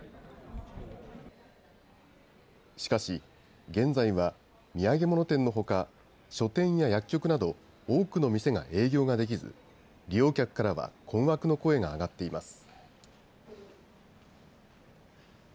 しかし、現在は土産物店のほか、書店や薬局など、多くの店が営業ができず、利用客からは困惑の声が上がっています。